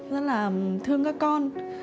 rất là thương các con